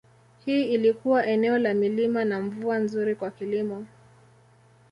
Hili lilikuwa eneo la milima na mvua nzuri kwa kilimo.